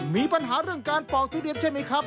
มีปัญหาเรื่องการปอกทุเรียนใช่ไหมครับ